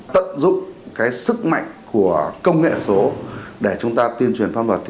tận dụng sức mạnh của công nghệ số để chúng ta tuyên truyền pháp luật